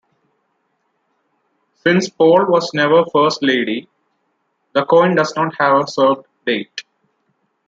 Since Paul was never First Lady, the coin does not have a served date.